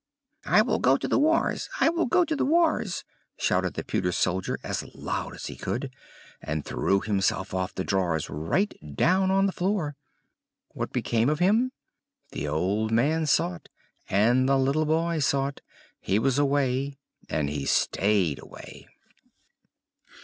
"I will go to the wars! I will go to the wars!" shouted the pewter soldier as loud as he could, and threw himself off the drawers right down on the floor. What became of him? The old man sought, and the little boy sought; he was away, and he stayed away.